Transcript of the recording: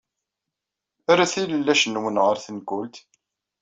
Rret ilellac-nwen ɣer tenkult.